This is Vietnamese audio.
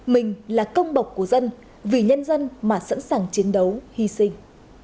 mình là công bộc của dân vì nhân dân mà sẵn sàng chiến đấu hy sinh